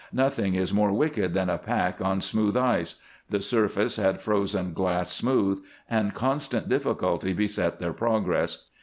Nothing is more wicked than a pack on smooth ice. The surface had frozen glass smooth, and constant difficulty beset their progress.